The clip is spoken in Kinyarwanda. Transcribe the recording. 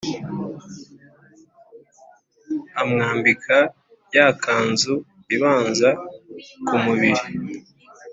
Amwambika ya kanzu ibanza ku mubiri